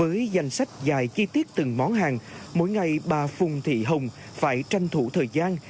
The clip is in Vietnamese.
với danh sách dài chi tiết từng món hàng mỗi ngày bà phùng thị hồng phải tranh thủ thời gian